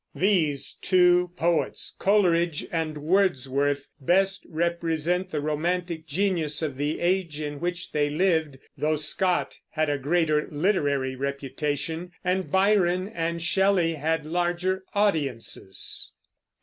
These two poets, Coleridge and Wordsworth, best represent the romantic genius of the age in which they lived, though Scott had a greater literary reputation, and Byron and Shelley had larger audiences.